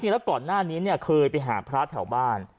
จริงแล้วก่อนหน้านี้เนี่ยเคยไปหาพระที่แถวบ้าน